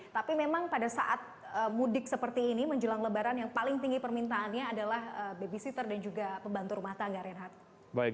tapi memang pada saat mudik seperti ini menjelang lebaran yang paling tinggi permintaannya adalah babysitter dan juga pembantu rumah tangga reinhardt